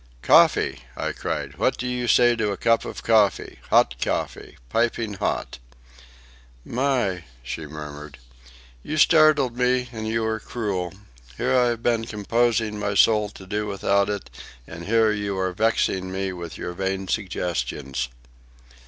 "Coffee!" I cried. "What do you say to a cup of coffee? hot coffee? piping hot?" "My!" she murmured, "you startled me, and you are cruel. Here I have been composing my soul to do without it, and here you are vexing me with your vain suggestions."